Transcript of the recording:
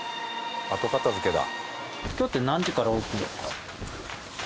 後片付けだ。